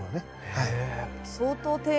はい。